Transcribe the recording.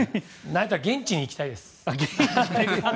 何だったら現地に行きたいです。